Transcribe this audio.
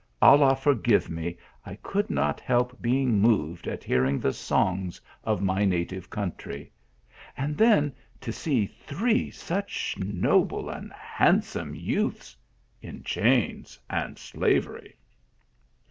Allah for give me, 1 could not help being moved at hearing the songs of my native country. And then to see three such noble and handsome youths in chains and slavery."